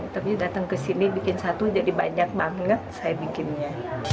tapi datang ke sini bikin satu jadi banyak banget saya bikinnya